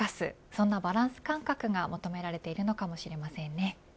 そんなバランス感覚が求められているのかもしれませんね。